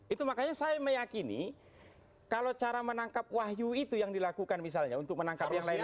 itu makanya saya meyakini kalau cara menangkap wahyu itu yang dilakukan misalnya untuk menangkap yang lain lain